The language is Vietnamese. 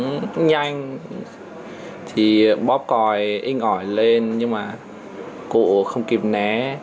nó nhanh thì bóp còi inh ỏi lên nhưng mà cụ không kịp né